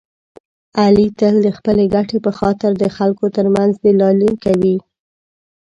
علي تل د خپلې ګټې په خاطر د خلکو ترمنځ دلالي کوي.